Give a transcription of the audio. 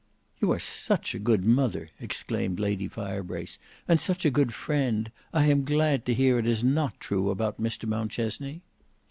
"You are such a good mother," exclaimed Lady Firebrace, "and such a good friend! I am glad to hear it is not true about Mr Mountchesney."